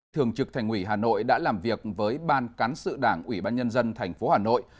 thường trực thành ủy hà nội đã làm việc với ban cán sự đảng ủy ban nhân dân tp hà nội